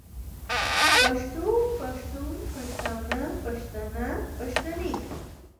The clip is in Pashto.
پښتو پښتون پښتانۀ پښتنه پښتنې